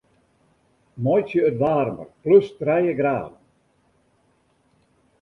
Meitsje it waarmer plus trije graden.